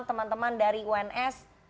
teman teman dari uns